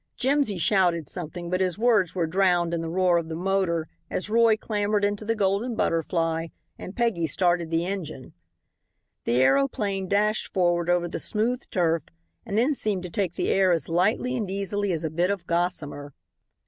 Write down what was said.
Jimsy shouted something, but his words were drowned in the roar of the motor as Roy clambered into the Golden Butterfly and Peggy started the engine. The aeroplane dashed forward over the smooth turf and then seemed to take the air as lightly and easily as a bit of gossamer.